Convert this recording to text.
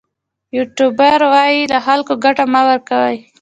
یوټوبر دې له خلکو ګټه مه کوي.